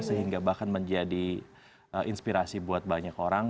sehingga bahkan menjadi inspirasi buat banyak orang